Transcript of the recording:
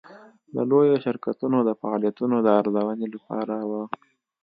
د لویو شرکتونو د فعالیتونو د ارزونې لپاره وه.